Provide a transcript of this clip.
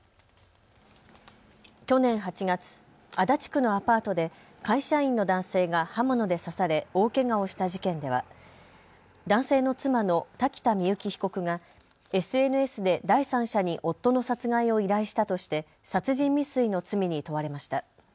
去年８月、足立区のアパートで会社員の男性が刃物で刺され大けがをした事件では男性の妻の瀧田深雪被告がＳＮＳで第三者に夫の殺害を依頼したとして殺人未遂の罪に問われました。